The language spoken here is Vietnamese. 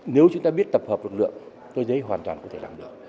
nếu chúng ta biết tập hợp lực lượng tôi thấy hoàn toàn có thể làm được